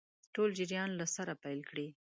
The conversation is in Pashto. ټول جریان له سره پیل کړي.